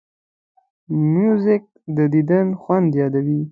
موزیک د دیدن خوند یادوي.